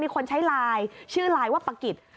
มีคนใช้ชื่อไลน์ว่าปะกิศ